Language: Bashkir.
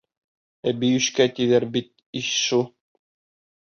Әбейүшкә тиҙәр бит ишшү.